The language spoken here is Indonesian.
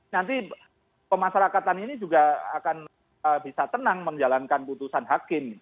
nanti pemasarakatan ini juga akan bisa tenang menjalankan putusan hakim